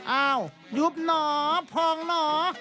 เอ้ายุบหนอผ่องหนอ